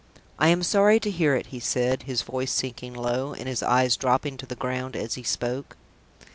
"I am sorry to hear it," he said, his voice sinking low, and his eyes dropping to the ground as he spoke.